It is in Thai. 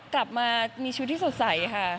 กลับมามีชีวิตที่สดใสค่ะ